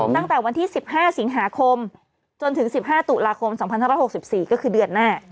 ตั้งแต่วันที่๑๕สิงหาคมจนถึง๑๕ตุลาคม๒๕๖๔ก็คือเดือนหน้า